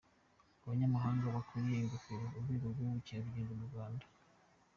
Abanyamahanga bakuriye ingofero urwego rw’ubukerarugendo mu Rwanda.